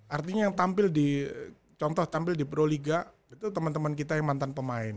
artinya yang tampil di contoh tampil di proliga itu teman teman kita yang mantan pemain